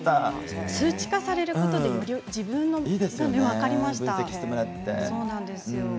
数値化されることでより自分のが分かりますね。